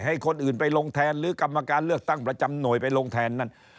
ให้คนอื่นไปลงแทนหรือกรรมการเลือกตั้งประจำหน่วยไปลงแทนนั้น